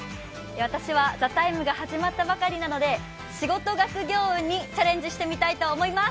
私は「ＴＨＥＴＩＭＥ，」が始まったばかりなので仕事・学業運にチャレンジしてみたいと思います。